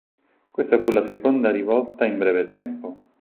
Questa fu la seconda rivolta in breve tempo.